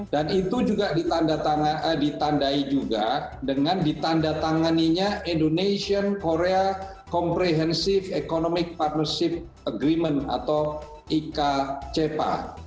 dan itu juga ditandai juga dengan ditandatangani indonesia korea comprehensive economic partnership agreement atau ikcepa